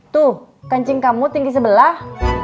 tuh kancing kamu tinggi sebelah